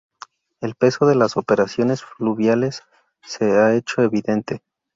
El peso de las operaciones fluviales se ha hecho evidente.